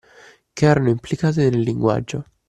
Che erano implicate nel linguaggio